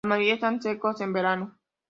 La mayoría están secos en verano.